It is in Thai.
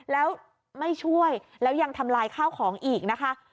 แล้วไม่ช่วยแล้วยังทำลายข้าวของอีกนะคะ